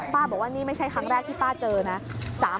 บอกว่านี่ไม่ใช่ครั้งแรกที่ป้าเจอนะ